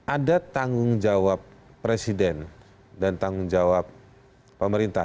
ada tanggung jawab presiden dan tanggung jawab pemerintah